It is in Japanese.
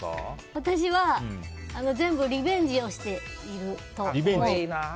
私は全部リベンジをしていると。